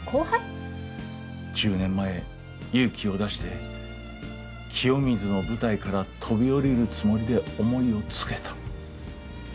１０年前勇気を出して清水の舞台から飛び降りるつもりで思いを告げた。